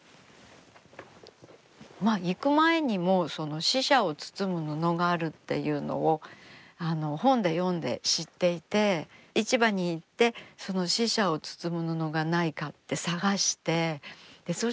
行く前にもう死者を包む布があるっていうのを本で読んで知っていて市場に行ってその死者を包む布がないかって探してそ